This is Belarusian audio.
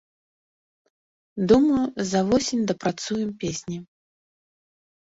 Думаю, за восень дапрацуем песні.